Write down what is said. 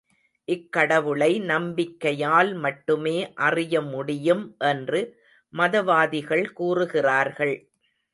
இக்கடவுளை நம்பிக்கையால் மட்டுமே அறிய முடியும் என்று மதவாதிகள் கூறுகிறார்கள்.